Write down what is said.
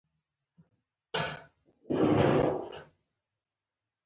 خان روشن خان او نورو ليکوالو